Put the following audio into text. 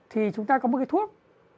thì chúng ta có một cái thuốc